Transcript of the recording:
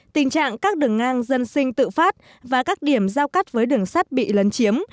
tình trạng các đường ngang dân sinh tự phát và các điểm giao cắt với đường sắt bị lấn chiếm